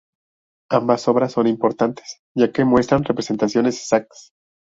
Ambas obras son importantes, ya que muestran representaciones exactas.